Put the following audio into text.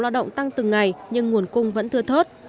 lao động tăng từng ngày nhưng nguồn cung vẫn thưa thớt